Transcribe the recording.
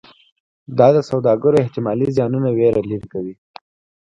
دا د سوداګرو احتمالي زیانونو ویره لرې کوي.